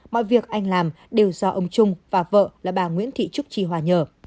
mọi việc anh làm đều do ông trung và vợ là bà nguyễn thị trúc trì hòa nhờ